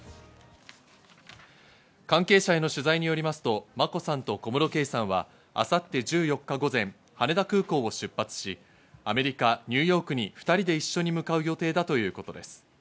関係者への取材によりますと、眞子さんと小室圭さんは明後日１８日午前、羽田空港を出発しアメリカ・ニューヨークに２人で一緒に向かう予定だということです。